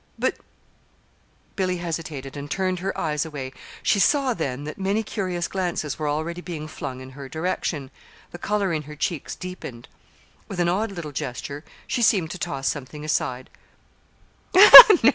"But " Billy hesitated, and turned her eyes away. She saw then that many curious glances were already being flung in her direction. The color in her cheeks deepened. With an odd little gesture she seemed to toss something aside.